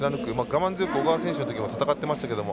我慢強く小川選手のときも戦ってましたけど。